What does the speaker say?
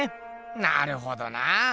なるほどな！